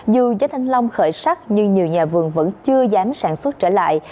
dù giá thanh long khởi sắc nhưng nhiều nhà vườn vẫn chưa dám sản xuất trở lại